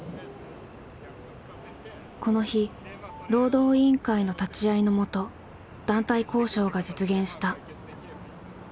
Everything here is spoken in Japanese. この日労働委員会の立ち会いのもと団体交渉が実現した。